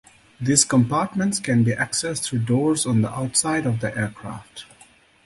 These compartments can be accessed through doors on the outside of the aircraft.